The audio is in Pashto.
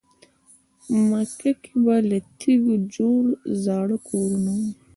مکه کې به له تیږو جوړ زاړه کورونه وي.